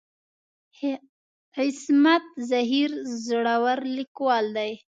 عصمت زهیر زړور ليکوال دی.